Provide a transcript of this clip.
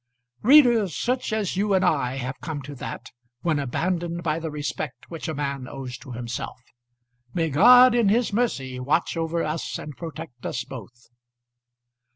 Reader, such as you and I have come to that, when abandoned by the respect which a man owes to himself. May God in his mercy watch over us and protect us both!